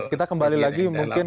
kita kembali lagi mungkin